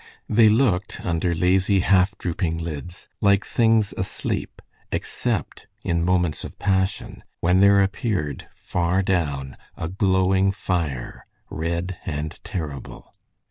They looked, under lazy, half drooping lids, like things asleep, except in moments of passion, when there appeared, far down, a glowing fire, red and terrible.